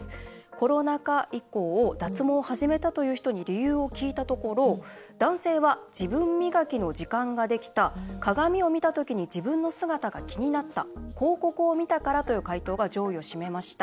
コロナ禍以降、脱毛を始めたという人に理由を聞いたところ男性は、自分磨きの時間ができた鏡を見た時に自分の姿が気になった広告を見たからという回答が上位を占めました。